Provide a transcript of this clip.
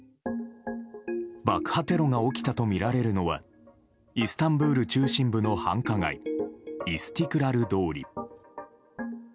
爆破テロが起きたとみられるのはイスタンブール中心部の繁華街イスティクラル通り。